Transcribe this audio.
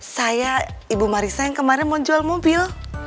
saya ibu marissa yang kemarin mau jual mobil